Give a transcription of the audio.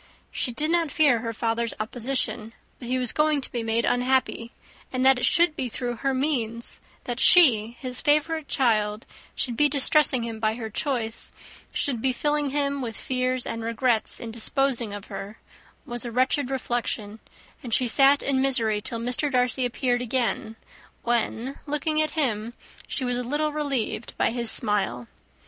She did not fear her father's opposition, but he was going to be made unhappy, and that it should be through her means; that she, his favourite child, should be distressing him by her choice, should be filling him with fears and regrets in disposing of her, was a wretched reflection, and she sat in misery till Mr. Darcy appeared again, when, looking at him, she was a little relieved by his smile.